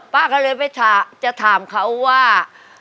ป้าก็เลยไปจะถามเขาว่า